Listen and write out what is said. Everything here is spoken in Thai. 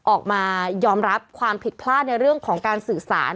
ออกมายอมรับความผิดพลาดในเรื่องของการสื่อสาร